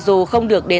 vào lúc một mươi hai h